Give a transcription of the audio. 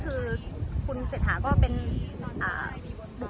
คุณปิณหญิงกลับโรงงาน